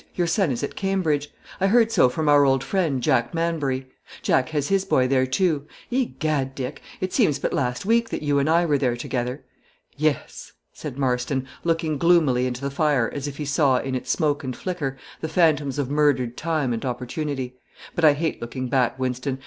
Your son is at Cambridge; I heard so from our old friend, Jack Manbury. Jack has his boy there too. Egad, Dick, it seems but last week that you and I were there together." "Yes," said Marston, looking gloomily into the fire, as if he saw, in its smoke and flicker, the phantoms of murdered time and opportunity; "but I hate looking back, Wynston.